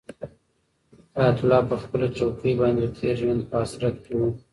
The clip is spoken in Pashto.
حیات الله په خپله چوکۍ باندې د تېر ژوند په حسرت کې و.